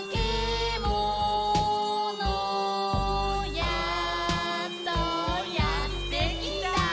やっとやってきた」